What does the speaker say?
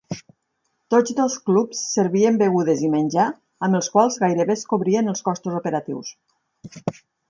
Tots dos clubs servien begudes i menjar amb els quals gairebé es cobrien els costos operatius.